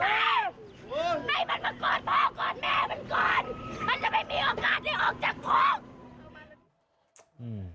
ให้มันมากรน่ะพอกรแม่มันกรรมันจะไม่มีโอกาสได้ออกจากครู